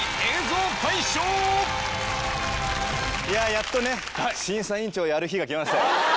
やっとね審査委員長をやる日が来ましたよ。